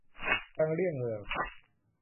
ทางเลี่ยงเมือง